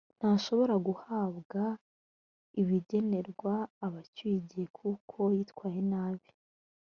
ntashobora guhabwa ibigenerwa abacyuye igihe kuko yitwaye nabi